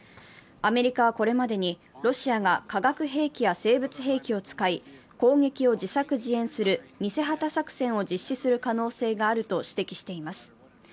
アメリカはこれまでにロシアが化学兵器や生物兵器を使い攻撃を自作自演する偽旗作戦を実施する可能性があると指摘しています。